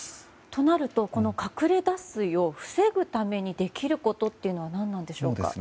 となるとこの隠れ脱水を防ぐためにできることは何なんでしょうか？